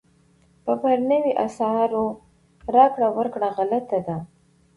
په بهرنیو اسعارو راکړه ورکړه غلطه ده.